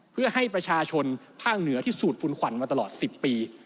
เพื่อให้ประชาชนภาคเหนือที่สูดฝุ่นขวัญมาตลอด๑๐ปี